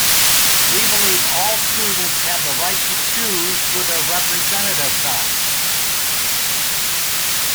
We believe all students have the right to choose who their representatives are.